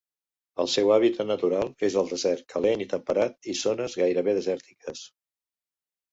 El seu hàbitat natural és el desert calent i temperat, i zones gairebé desèrtiques.